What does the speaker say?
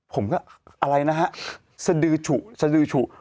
ผมก็อะไรนะฮะสดือฉุสดือฉุ